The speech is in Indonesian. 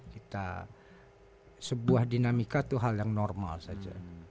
kita sebuah dinamika itu hal yang normal saja